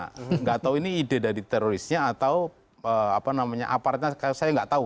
tidak tahu ini ide dari terorisnya atau apa namanya aparatnya saya nggak tahu